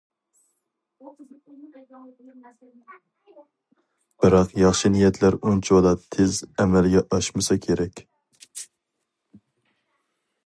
بىراق ياخشى نىيەتلەر ئۇنچىۋالا تېز ئەمەلگە ئاشمىسا كېرەك.